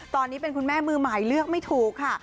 ตอนนี้เป็นคุณแม่มือใหม่เลือกไม่ถูกค่ะ